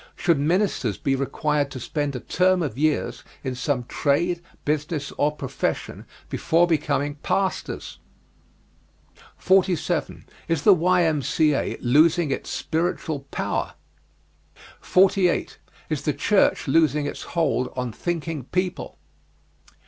Should ministers be required to spend a term of years in some trade, business, or profession, before becoming pastors? 47. Is the Y.M.C.A. losing its spiritual power? 48. Is the church losing its hold on thinking people?